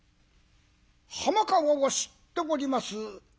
浜川を知っております